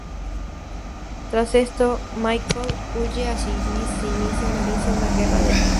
Tras esto, Michael huye a Sicilia y se inicia una guerra de bandas.